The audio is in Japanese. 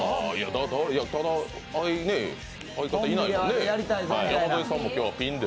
ただ、相方いないもんね。